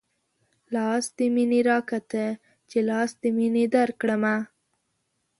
لاس د مينې راکه تۀ چې لاس د مينې درکړمه